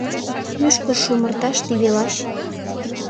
Мӱшкыр шумырташ тиде лач.